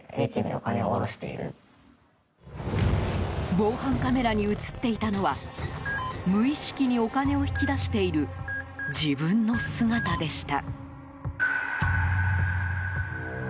防犯カメラに映っていたのは無意識にお金を引き出している自分の姿でした。